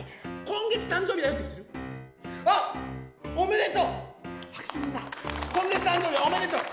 今月誕生日おめでとう！